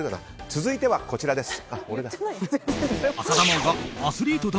続いては、こちらです。